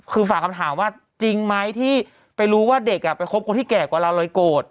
คือฝากคำถามว่าจริงไหมที่ไปรู้ว่าเด็กไปคบคนที่แก่กว่าเราเลยโกรธ